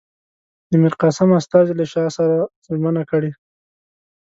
د میرقاسم استازي له شاه سره ژمنه کړې.